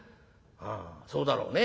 「ああそうだろうね。